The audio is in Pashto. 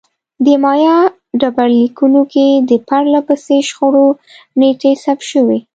د مایا ډبرلیکونو کې د پرله پسې شخړو نېټې ثبت شوې